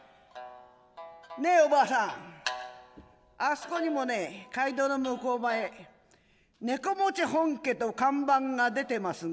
「ねえお婆さんあすこにもね街道の向こう前猫本家と看板が出てますが」。